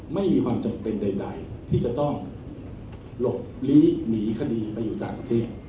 ไม่มีความจำเป็นใดที่จะต้องหลบลีกหนีคดีไปอยู่ต่างประเทศ